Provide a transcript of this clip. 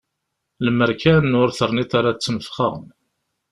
Lemmer kan ur terniḍ ara ttnefxa.